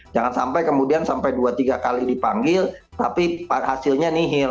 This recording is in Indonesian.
jangan sampai kemudian sampai dua tiga kali dipanggil tapi hasilnya nihil